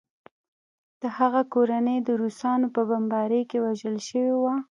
د هغې کورنۍ د روسانو په بمبارۍ کې وژل شوې وه